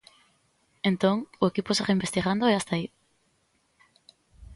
Entón, o equipo segue investigando e ata aí.